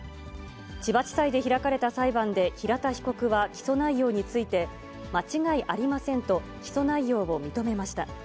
千葉地裁で開かれた裁判で、平田被告は起訴内容について、間違いありませんと起訴内容を認めました。